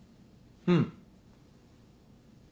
うん。